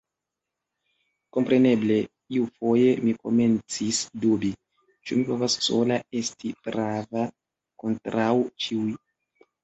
Kompreneble, iufoje mi komencis dubi, ĉu mi povas sola esti prava kontraŭ ĉiuj?